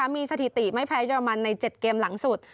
มีสถิติไม่แพ้เรมันใน๗เกมหลังสุด